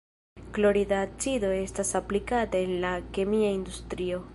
Klorida acido estas aplikata en la kemia industrio.